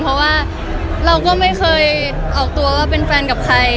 เพราะว่าเราก็ไม่เคยออกตัวว่าเป็นแฟนกับใคร